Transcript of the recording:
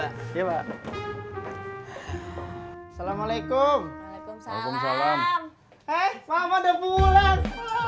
assalamualaikum salam salam eh mama udah pulang